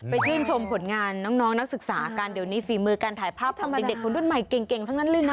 ชื่นชมผลงานน้องนักศึกษากันเดี๋ยวนี้ฝีมือการถ่ายภาพทำเด็กคนรุ่นใหม่เก่งทั้งนั้นเลยนะ